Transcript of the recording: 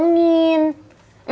ntar dia marah ya